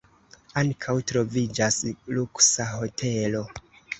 Ankaŭ troviĝas luksa hotelo.